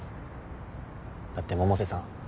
だって百瀬さん